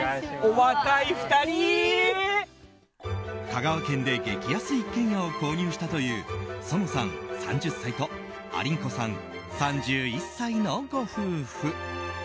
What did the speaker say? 香川県で激安一軒家を購入したというＳＯＮＯさん、３０歳とありんこさん、３１歳のご夫婦。